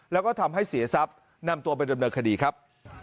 แล้วก็ทำให้เสียทรัพย์นำตัวไปดำเนินคดีครับ